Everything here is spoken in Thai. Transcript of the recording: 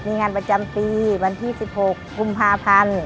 มีงานประจำปีวันที่๑๖กุมภาพันธ์